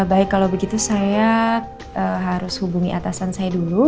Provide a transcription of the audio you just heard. baik kalau begitu saya harus hubungi atasan saya dulu